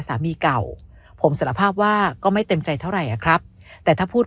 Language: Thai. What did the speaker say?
สามีเก่าผมสารภาพว่าก็ไม่เต็มใจเท่าไหร่ครับแต่ถ้าพูด